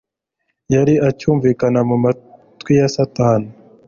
yari acyumvikana mu matwi ya Satani.